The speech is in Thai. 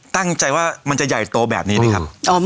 ตั้งใจว่ามันจะใหญ่โตแบบนี้ไหมครับ